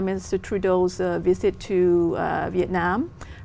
về chủ tịch trung tâm